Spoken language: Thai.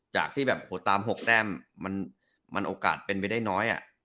จากที่แบบหัวตาม๖แต้มมันโอกาสเป็นไปได้น้อย